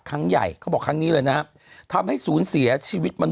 ครั้งใหญ่คำว่าครั้งนี้เลยนะทำให้สูญเสียชีวิต